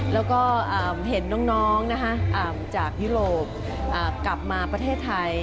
แล้วก็เห็นน้องจากยุโรปกลับมาประเทศไทย